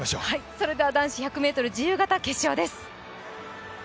それでは男子１００ｍ自由形決勝です。